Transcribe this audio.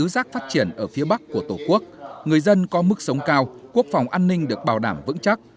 phát triển ở phía bắc của tổ quốc người dân có mức sống cao quốc phòng an ninh được bảo đảm vững chắc